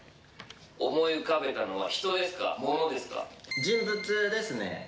思い浮かべたのは、人ですか、人物ですね。